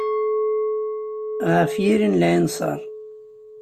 Ɣef yiri n lɛinṣer.